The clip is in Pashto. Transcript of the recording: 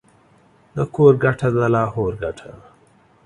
د کور گټه ، دلاهور گټه.